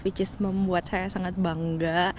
which is membuat saya sangat bangga